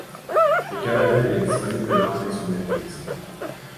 Au Canada, elle est disponible le lendemain sur Netflix.